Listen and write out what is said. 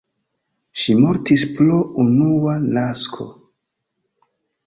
Ŝi mortis pro unua nasko.